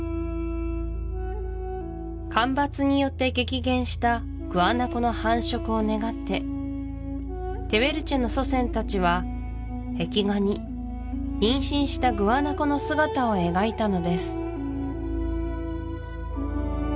干ばつによって激減したグアナコの繁殖を願ってテウェルチェの祖先たちは壁画に妊娠したグアナコの姿を描いたのです